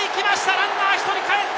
ランナー１人かえった！